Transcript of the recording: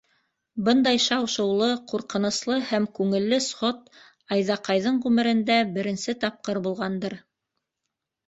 Бындай шау-шыулы, ҡурҡыныслы һәм күңелле сход Айҙаҡайҙың ғүмерендә беренсе тапҡыр булғандыр.